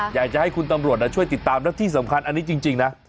อยากจะให้คุณตำรวจช่วยติดตามและที่สำคัญอันนี้จริงนะ